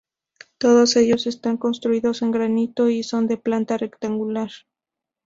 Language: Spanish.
Todos ellos están construidos en granito y son de planta rectangular.